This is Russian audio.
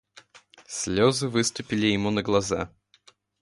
Слезы выступили ему на глаза.